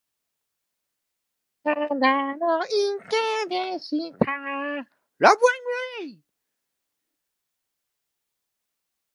She was also a producer and writer on "Love My Way".